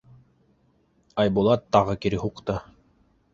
Айбулат тағы кире һуҡты.